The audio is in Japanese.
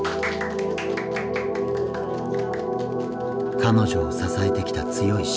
彼女を支えてきた強い使命感。